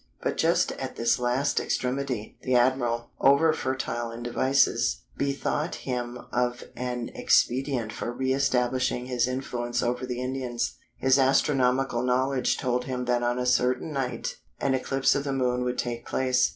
But just at this last extremity, the admiral, ever fertile in devices, bethought him of an expedient for re establishing his influence over the Indians. His astronomical knowledge told him that on a certain night an eclipse of the Moon would take place.